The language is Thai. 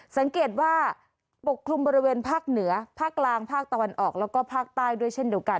สังเกตว่าปกคลุมบริเวณภาคเหนือภาคกลางภาคตะวันออกแล้วก็ภาคใต้ด้วยเช่นเดียวกัน